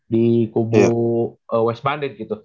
di kubu wes banit gitu